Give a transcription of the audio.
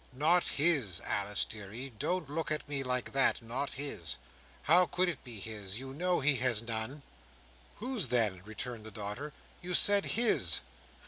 "Not his, Alice deary; don't look at me like that; not his. How could it be his? You know he has none." "Whose then?" returned the daughter. "You said his."